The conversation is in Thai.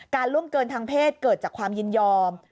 ล่วงเกินทางเพศเกิดจากความยินยอม